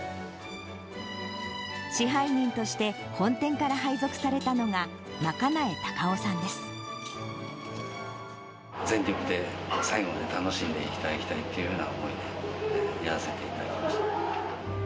支配人として本店から配属されたのが、全力で最後まで楽しんでいきたいっていうような思いで、やらせていただきます。